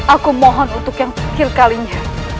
aku mohon untuk yang kecil kalinya